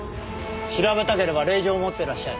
調べたければ令状を持ってらっしゃい。